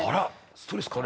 ストレスかな？